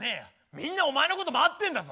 みんなお前のこと待ってんだぞ！